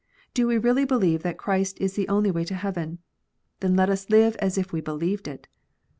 Do we really believe that Christ is the only way to heaven ? Then let us live as if we believed it.